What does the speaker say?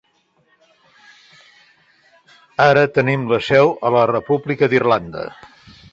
Ara tenim la seu a la República d'Irlanda.